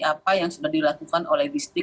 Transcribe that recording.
apa yang sudah dilakukan oleh distrik